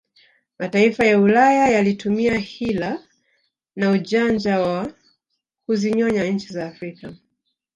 Mataifa ya ulaya yalitumia Hila na ujanja wa kuzinyonya nchi za Afrika